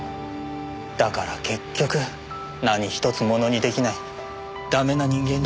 だから結局何ひとつものに出来ないダメな人間で。